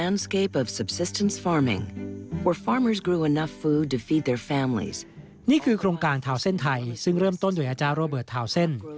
นี่คือโครงการทาวเส้นไทยซึ่งเริ่มต้นโดยอาจารย์โรเบิร์ตทาวน์เส้น